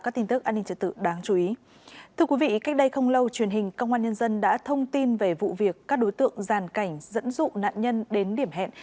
trên hình công an nhân dân đã thông tin về vụ việc các đối tượng giàn cảnh dẫn dụ nạn nhân đến điểm hẹn